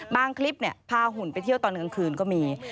คลิปพาหุ่นไปเที่ยวตอนกลางคืนก็มี